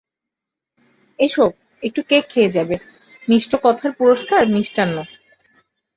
এসো, একটু কেক খেয়ে যাবে, মিষ্ট কথার পুরস্কার মিষ্টান্ন।